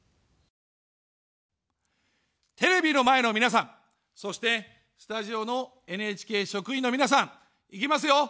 テレビの前の皆さん、そしてスタジオのＮＨＫ職員の皆さん、いきますよ。